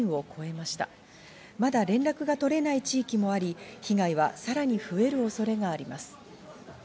まだ連絡が取れない地域もあり、被害はさらに増える恐れがあります。